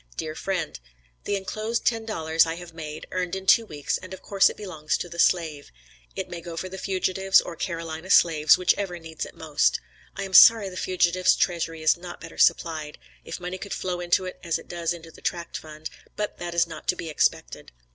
DEAR FRIEND: The enclosed ten dollars I have made, earned in two weeks, and of course it belongs to the slave. It may go for the fugitives, or Carolina slaves, whichever needs it most. I am sorry the fugitives' treasury is not better supplied, if money could flow into it as it does into the Tract Fund; but that is not to be expected.